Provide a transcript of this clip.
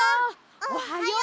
おはよう。